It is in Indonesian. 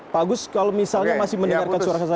pak agus kalau misalnya masih mendengarkan suara saya